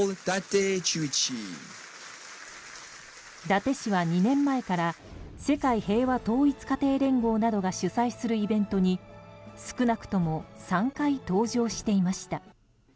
伊達氏は２年前から世界平和統一家庭連合などが主催するイベントに少なくとも３回登場していました。